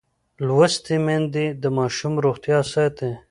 لوستې میندې د ماشوم روغتیا ساتي.